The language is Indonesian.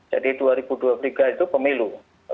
jadi dua ribu dua puluh tiga itu pemilu